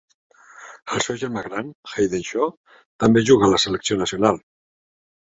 El seu germà gran, Hayden Shaw, també juga a la selecció nacional.